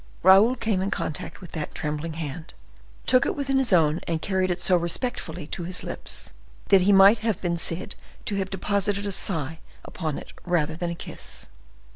Raoul came in contact with that trembling hand, took it within his own, and carried it so respectfully to his lips, that he might have been said to have deposited a sigh upon it rather than a kiss.